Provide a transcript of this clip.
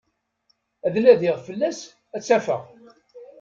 Ad nadiɣ fell-as, ad tt-afeɣ.